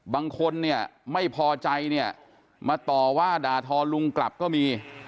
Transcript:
บางคนเนี่ยไม่พอใจเนี่ยมาต่อว่าด่าทอลุงกลับก็มี